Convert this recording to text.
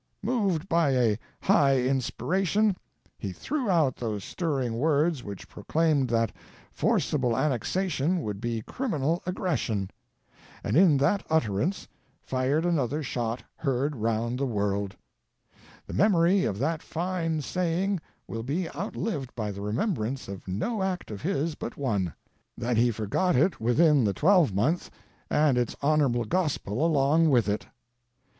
Moved by a high inspiration, he threw out those stirring words which proclaimed that forcible annexation would be "criminal aggression;" and in that utterance fired an other "shot heard round the world/' The memory of that fine saying will be outlived by the remembrance of no act of his but one — that he forgot it within the twelvemonth, and its honorable gospel along with it.